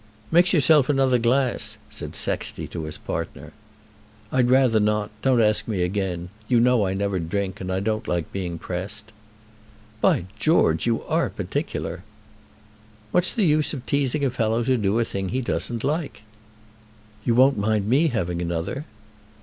"Mix yourself another glass," said Sexty to his partner. "I'd rather not. Don't ask me again. You know I never drink, and I don't like being pressed." "By George! You are particular." "What's the use of teasing a fellow to do a thing he doesn't like?" "You won't mind me having another?"